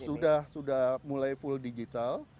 sudah sudah mulai full digital